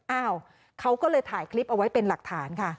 อ้าวเขาก็เลยถ่ายคลิปเอาไว้เป็นหลักฐานค่ะ